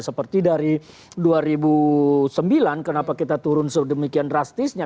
seperti dari dua ribu sembilan kenapa kita turun sedemikian drastisnya